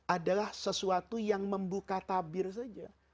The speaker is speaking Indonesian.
adalah sesuatu yang membuka tabir saja